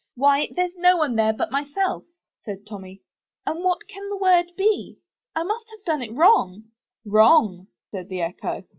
"Why, there's no one there but myself !'' said Tommy. *'And what can the word be? I must have done it wrong/' 'Wrong!" said the Echo.